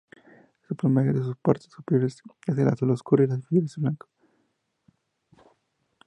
Se plumaje de sus partes superiores es azul oscuro y las inferiores blanco.